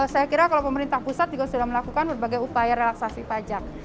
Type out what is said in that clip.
saya kira kalau pemerintah pusat juga sudah melakukan berbagai upaya relaksasi pajak